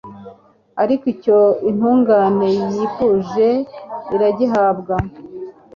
ariko icyo intungane yifuje, iragihabwa